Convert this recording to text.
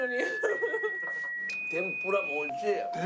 天ぷらもおいしい！